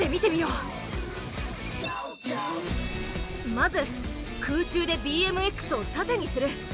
まず空中でＢＭＸを縦にする。